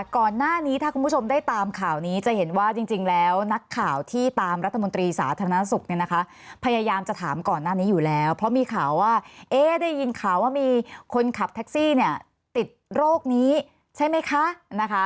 ก่อนหน้านี้ถ้าคุณผู้ชมได้ตามข่าวนี้จะเห็นว่าจริงแล้วนักข่าวที่ตามรัฐมนตรีสาธารณสุขเนี่ยนะคะพยายามจะถามก่อนหน้านี้อยู่แล้วเพราะมีข่าวว่าได้ยินข่าวว่ามีคนขับแท็กซี่เนี่ยติดโรคนี้ใช่ไหมคะนะคะ